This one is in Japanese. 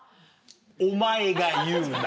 お前が言うな。